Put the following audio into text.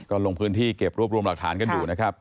ก็ลงพื้นที่เก็บรวบรวมหลักฐานกันอยู่นะครับ